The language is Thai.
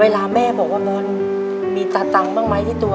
เวลาแม่บอกว่าบอลมีตัดตำบ้างไหมที่ตัว